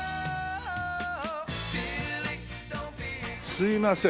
すいません。